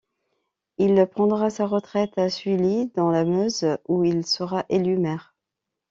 Il prendra sa retraite à Souilly dans la Meuse où il sera élu maire.